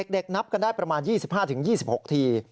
เด็กนับกันได้ประมาณ๒๕๒๖ที